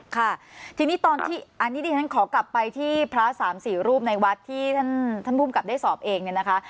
ค่ะทีนี้ตอนที่อันนี้ดิฉันขอกลับไปที่พระสามสี่รูปในวัดที่ท่านภูมิกับได้สอบเองเนี่ยนะคะ